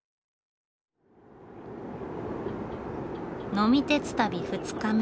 呑み鉄旅二日目。